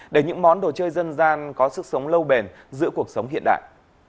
để những món đồ chơi dân gian có sức sống lâu bền giữa cuộc sống hiện đại